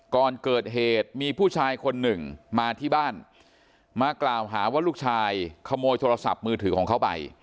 ก่อนเกิดเหตุมีผู้ชายคนหนึ่งมาที่บ้านมากล่าวหาว่าลูกชายขโมยโทรศัพท์มือถือของเขาไป